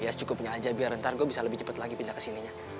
ya secukupnya aja biar ntar saya bisa lebih cepat lagi pindah ke sini ya